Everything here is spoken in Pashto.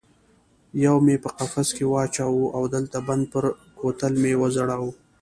یو مې په قفس کې واچاوه او د لته بند پر کوتل مې وځړاوه.